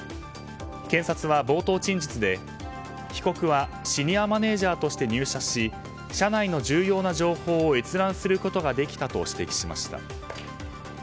検察は冒頭陳述で、被告はシニアマネジャーとして入社し社内の重要な情報を閲覧することができたと指摘しました。